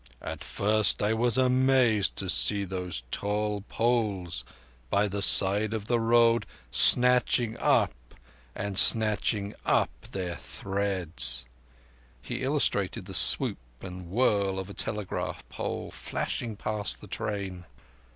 At first I was amazed to see those tall poles by the side of the road snatching up and snatching up their threads,"—he illustrated the stoop and whirl of a telegraph pole flashing past the train.